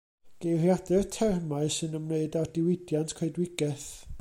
Geiriadur termau sy'n ymwneud a'r diwydiant coedwigaeth.